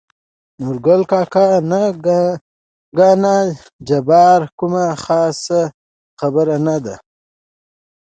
نورګل کاکا: نه کنه جباره کومه خاصه خبره نه ده.